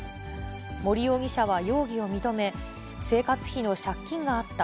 森容疑者は容疑を認め、生活費の借金があった。